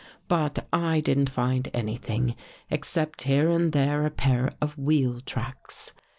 But I didn't 170 BEECH HILL find anything, except here and there a pair of wheel tracks.